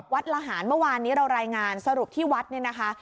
ละหารเมื่อวานนี้เรารายงานสรุปที่วัดเนี่ยนะคะ